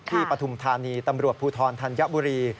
ปฐุมธานีตำรวจภูทรธัญบุรี